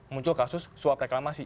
muncul kasus swap reklamasi